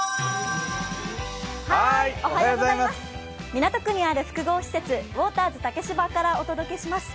港区にある複合施設、ウォーターズ竹芝からお送りします。